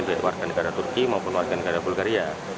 baik warga negara turki maupun warga negara bulgaria